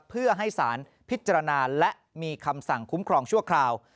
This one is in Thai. เพื่อให้สารพิจารณาและมีคำสั่งคุ้มครองชั่วคราว